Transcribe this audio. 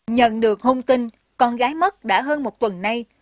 nhận được thông tin con gái mất đã hơn một tuần nay